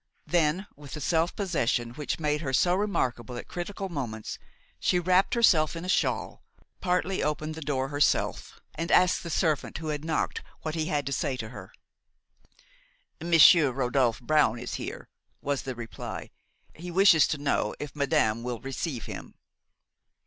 Then, with the self possession which made her so remarkable at critical moments, she wrapped herself in a shawl, partly opened the door herself, and asked the servant who had knocked what he had to say to her. "Monsieur Rodolphe Brown is here," was the reply; "he wishes to know if madame will receive him."